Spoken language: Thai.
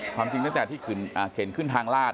ความจริงเลยคือจากเขาเพิ่งเข้นทางลาด